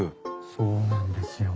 そうなんですよ。